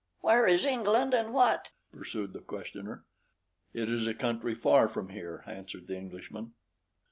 "Where is England and what?" pursued the questioner. "It is a country far from here," answered the Englishman.